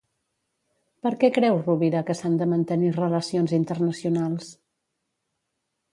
Per què creu Rovira que s'han de mantenir relacions internacionals?